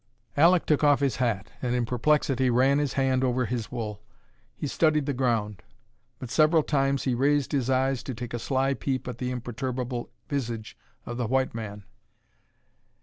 Alek took off his hat, and in perplexity ran his hand over his wool. He studied the ground. But several times he raised his eyes to take a sly peep at the imperturbable visage of the white man.